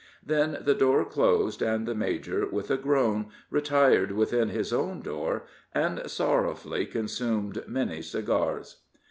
Then the door closed, and the major, with a groan, retired within his own door, and sorrowfully consumed many cigars.